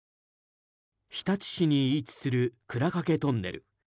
日立市に位置する鞍掛トンネル。